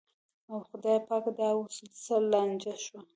او خدایه پاکه دا اوس څه لانجه شوه.